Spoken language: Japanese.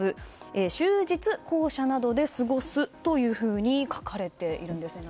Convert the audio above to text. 終日、公舎などで過ごすと書かれているんです。